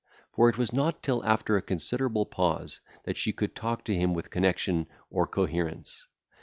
For it was not till after a considerable pause, that she could talk to him with connexion or coherence.